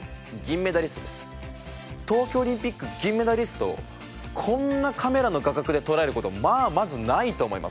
東京オリンピック銀メダリストをこんなカメラの画角で捉える事まあまずないと思います